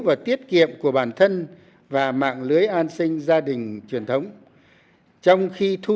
và tiết kiệm của bản thân và mạng lưới an sinh gia đình truyền thống trong khi thu